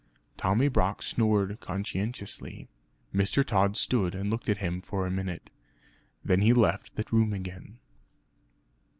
Tommy Brock snored conscientiously. Mr. Tod stood and looked at him for a minute; then he left the room again.